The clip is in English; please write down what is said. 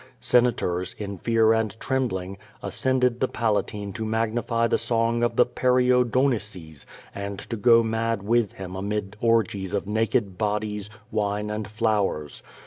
Senators, in fear and trembling, ascended the Palatine to magnify the song of the "Perio Donices," and to go mad with him amid orgies of naked bodies, wine and flowers.